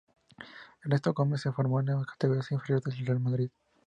Ernesto Gómez se formó en la categorías inferiores del Real Madrid.